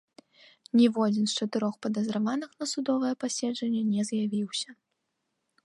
Ніводзін з чатырох падазраваных на судовае паседжанне не з'явіўся.